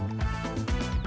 oke sekarang waktunya berjualan